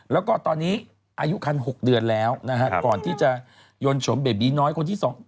แล้วก็ตอนนี้อายุคัน๖เดือนแล้วนะฮะก่อนที่จะยนต์โฉมเบบีน้อยคนที่สอง